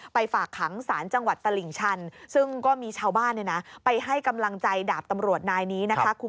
ฝากขังสารจังหวัดตลิ่งชันซึ่งก็มีชาวบ้านไปให้กำลังใจดาบตำรวจนายนี้นะคะ